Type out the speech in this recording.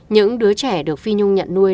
những đứa trẻ được phi nhung nhận nuôi